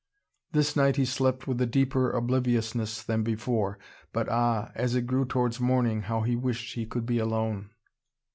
This night he slept with a deeper obliviousness than before. But ah, as it grew towards morning how he wished he could be alone.